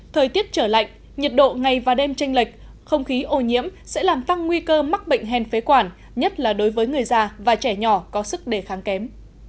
thời tiết trở lạnh nhiệt độ ngày và đêm tranh lệch không khí ô nhiễm sẽ làm tăng nguy cơ mắc bệnh hen phế quản nhất là đối với người già và trẻ nhỏ có sức đề kháng kém